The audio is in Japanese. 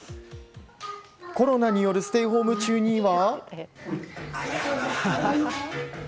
コロナによるステイホーム中には。